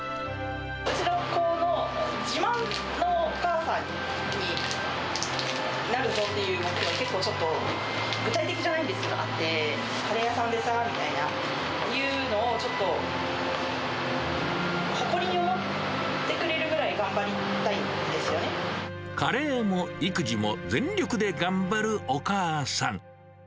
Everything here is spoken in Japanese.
うちの子の自慢のお母さんになるぞっていうのが、結構ちょっと具体的じゃないんですが、あって、カレー屋さんでさっていうのをちょっと誇りに思ってくれるぐらいカレーも育児も全力で頑張るお母さん。